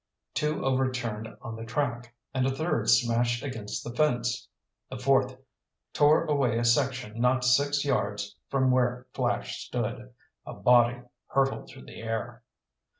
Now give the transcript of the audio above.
Two overturned on the track, and a third smashed against the fence. The fourth tore away a section not six yards from where Flash stood. A body hurtled through the air.